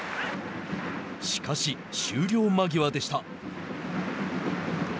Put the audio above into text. しかし、終了間際でした。